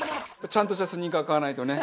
ちゃんとしたスニーカー買わないとね。